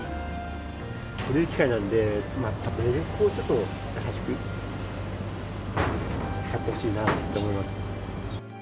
古い機械なんで、なるべくちょっと優しく使ってほしいなと思いますね。